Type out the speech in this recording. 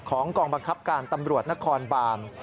กองบังคับการตำรวจนครบาน